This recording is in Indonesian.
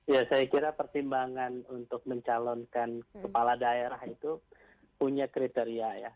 ya saya kira pertimbangan untuk mencalonkan kepala daerah itu punya kriteria ya